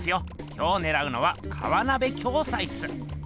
今日ねらうのは河鍋暁斎っす。